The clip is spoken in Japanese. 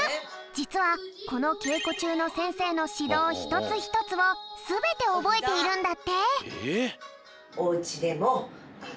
じつはこのけいこちゅうのせんせいのしどうひとつひとつをすべておぼえているんだって。